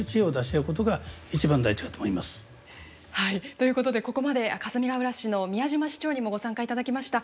ということでここまでかすみがうら市の宮嶋市長にもご参加いただきました。